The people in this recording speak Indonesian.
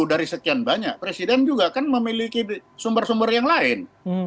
dari sekian banyak presiden juga kan memiliki sumber sumber yang lain